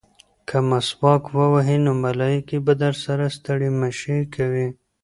که مسواک ووهې نو ملایکې به درسره ستړې مه شي کوي.